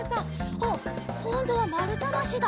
おっこんどはまるたばしだ。